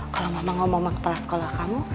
kalau mama ngomong sama kepala sekolah kamu